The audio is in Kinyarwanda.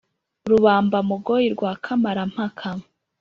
rubamba-mugoyi rwa kamara-mpaka